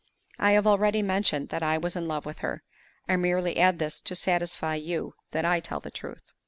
I have already mentioned that I was in love with her. I merely add this to satisfy you that I tell the truth.